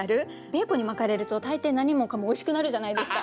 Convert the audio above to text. ベーコンに巻かれると大抵何もかもおいしくなるじゃないですか。